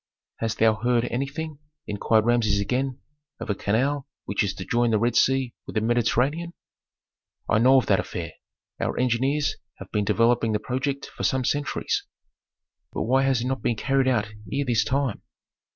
"Hast thou heard anything," inquired Rameses again, "of a canal which is to join the Red Sea with the Mediterranean?" "I know of that affair. Our engineers have been developing the project for some centuries." "But why has it not been carried out ere this time?"